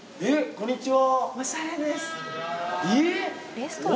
こんにちは。